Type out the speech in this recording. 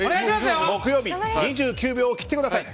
木曜日、２９秒を切ってください。